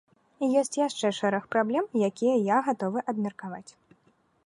Ёсць яшчэ шэраг праблем, якія я гатовы абмеркаваць.